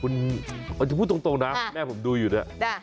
คุณจะพูดตรงนะแม่ผมดูอยู่เนี่ย